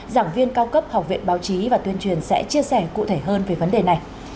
giảng viên cao cấp học viện báo chí và tuyên truyền sẽ chia sẻ cụ thể hơn về vấn đề này